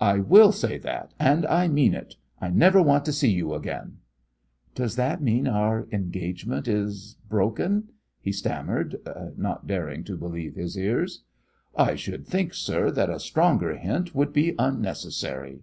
"I will say that, and I mean it! I never want to see you again!" "Does that mean that our engagement is broken?" he stammered, not daring to believe his ears. "I should think, sir, that a stronger hint would be unnecessary."